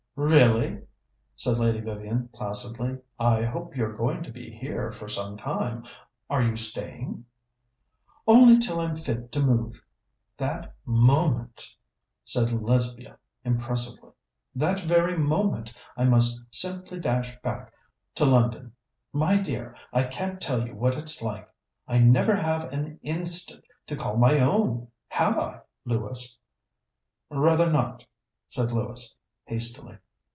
"Really?" said Lady Vivian placidly. "I hope you're going to be here for some time. Are you staying " "Only till I'm fit to move. That moment," said Lesbia impressively, "that very moment, I must simply dash back to London. My dear, I can't tell you what it's like. I never have an instant to call my own have I, Lewis?" "Rather not," said Lewis hastily.